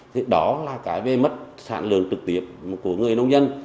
thì đó là cái về mất sản lượng trực tiếp của người nông dân